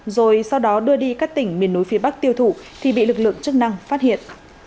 rồi sau đó đưa đi các tỉnh miền núi phía bắc tiêu thụ thì bị lực lượng chức năng phát hiện